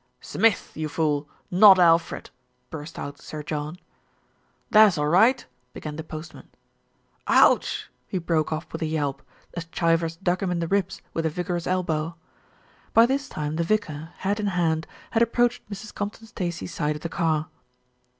"Smith, you fool, not Alfred," burst out Sir John. "Tha's all right" began the postman. "Ouch !" he broke off with a yelp, as Chivers dug him in the ribs with a vigorous elbow. By this time the vicar, hat in hand, had approached Mrs. Compton Stacey's side of the car.